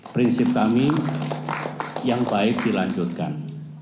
prinsip kami yang baik dilanjutkan